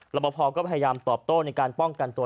ประพอก็พยายามตอบโต้ในการป้องกันตัว